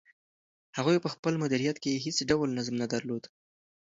هغوی په خپل مدیریت کې هیڅ ډول نظم نه درلود.